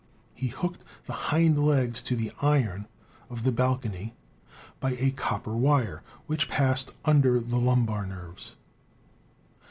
He hooked the hind legs to the iron of the balcony by a copper wire which passed under the lumbar nerves.